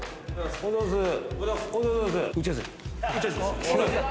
おはようございます。